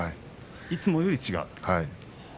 いつもより違う。